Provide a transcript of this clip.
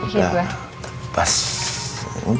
udah udah enak